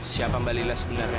siapa mbak lila sebenarnya